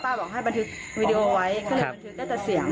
บอกให้บันทึกวีดีโอไว้ก็เลยบันทึกได้แต่เสียง